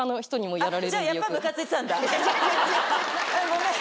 ごめん。